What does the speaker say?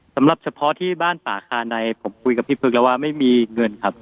สำหรับเฉพาะที่บ้านป่าคาไนผมคุยกับพี่พึกแล้วว่าไม่มีเงินครับ